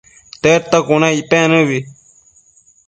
Tedta cuna icpec nëbi